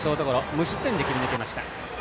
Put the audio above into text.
無失点で切り抜けました。